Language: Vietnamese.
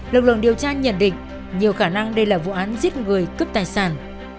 lực lượng điều tra nhận định nhiều khả năng đây là vụ án giết người cướp tài sản